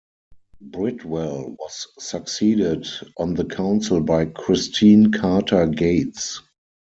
Bridwell was succeeded on the council by Christine Carter Gates.